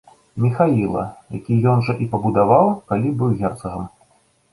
Міхаіла, які ён жа і пабудаваў, калі быў герцагам.